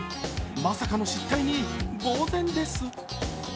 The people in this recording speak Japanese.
まさかの失態にぼう然です。